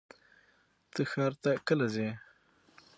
ته ښار ته کله ځې؟